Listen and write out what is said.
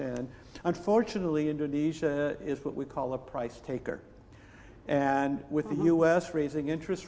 alasannya indonesia adalah yang kami sebut sebagai pengambil harga